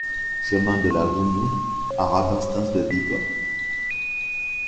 Chemin de la Gouniou à Rabastens-de-Bigorre